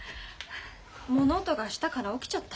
物音がしたから起きちゃった。